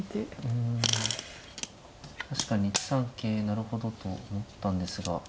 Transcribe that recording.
うん確かに１三桂なるほどと思ったんですが。